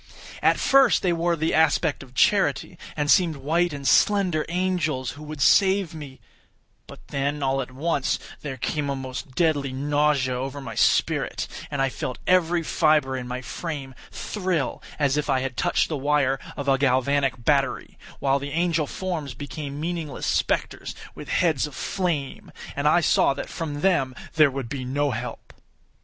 At first they wore the aspect of charity, and seemed white and slender angels who would save me; but then, all at once, there came a most deadly nausea over my spirit, and I felt every fibre in my frame thrill as if I had touched the wire of a galvanic battery, while the angel forms became meaningless spectres, with heads of flame, and I saw that from them there would be no help.